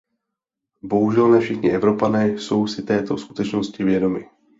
Bohužel ne všichni Evropané jsou si této skutečnosti vědomi.